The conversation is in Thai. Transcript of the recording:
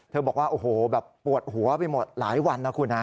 บอกว่าโอ้โหแบบปวดหัวไปหมดหลายวันนะคุณฮะ